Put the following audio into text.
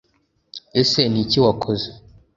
ese niki wakoze